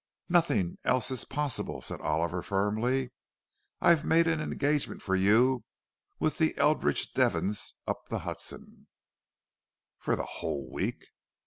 "Nothing else is possible," said Oliver, firmly. "I've made an engagement for you with the Eldridge Devons up the Hudson—" "For the whole week?"